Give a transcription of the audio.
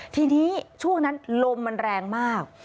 ทีนี้ช่วงนั้นลมมันแรงมาก